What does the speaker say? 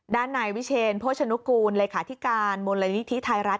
ด้านนายวิเชนโภชนุกูลเลขาธิการมูลนิธิไทยรัฐ